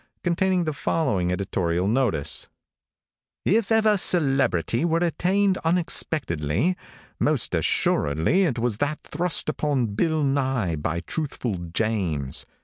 containing the following editorial notice: "If ever celebrity were attained unexpectedly, most assuredly it was that thrust upon Bill Nye by Truthful James.